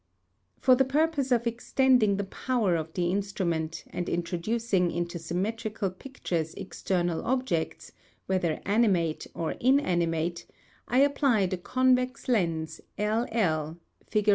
For the purpose of extending the power of the in strument, and introducing into symmetrical pictures ex ternal objects, whether animate or inanimate, I applied a convex lens, L L, fig.